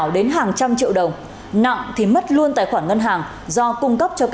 để tránh bị lừa đảo